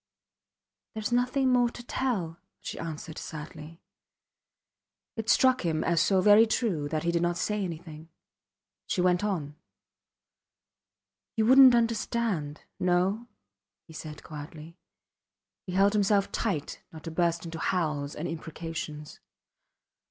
There is nothing more to tell, she answered, sadly. It struck him as so very true that he did not say anything. She went on: You wouldnt understand. ... No? he said, quietly. He held himself tight not to burst into howls and imprecations.